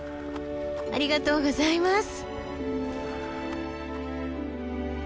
ありがとうございます。